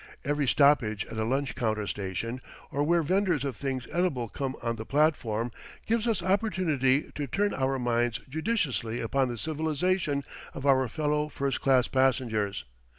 Every stoppage at a lunch counter station, or where venders of things edible come on the platform, gives us opportunity to turn our minds judicially upon the civilization of our fellow first class passengers.